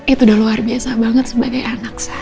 itu udah luar biasa banget sebagai anak saya